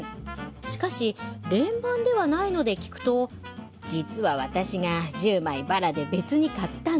しかし連番ではないので聞くと「実は私が１０枚バラで別に買ったの。